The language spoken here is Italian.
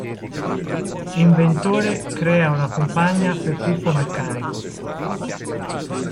Inventore crea una compagna per Puffo Meccanico.